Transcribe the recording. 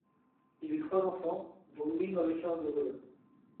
Il eut trois enfants, dont Louis Marie Charles de Bodin.